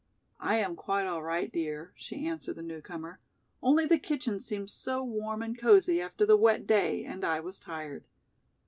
"I am quite all right, dear," she answered the newcomer, "only the kitchen seemed so warm and cozy after the wet day and I was tired."